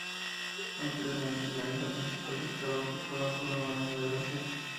Anteriormente la isla principal estaba ocupada por la Marina de Brasil.